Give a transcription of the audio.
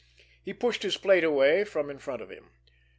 He pushed his plate away from in front of him.